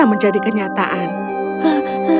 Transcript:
egael mencari pangeran yang menurutnya tidak ada